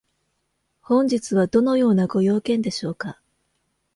本日はどのようなご用件でしょうか？